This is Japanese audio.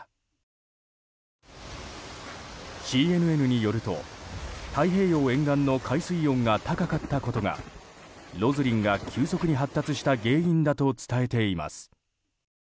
ＣＮＮによると太平洋沿岸の海水温が高かったことがロズリンが急速に発達した原因だと伝えています。